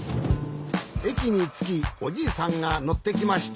えきにつきおじいさんがのってきました。